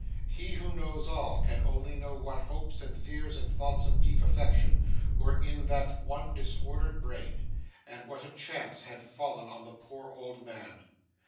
He who knows all, can only know what hopes, and fears, and thoughts of deep affection, were in that one disordered brain, and what a change had fallen on the poor old man.